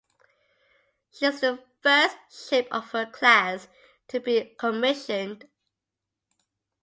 She is the first ship of her class to be commissioned.